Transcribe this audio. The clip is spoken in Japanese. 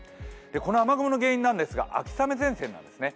この雨雲の原因なんですが秋雨前線なんですね。